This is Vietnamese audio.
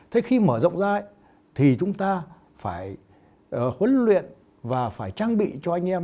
thế khi mở rộng ra thì chúng ta phải huấn luyện và phải trang bị cho anh em